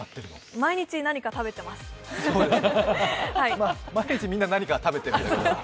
毎日みんな何かは食べてるんです。